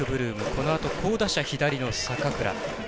このあと好打者、左の坂倉。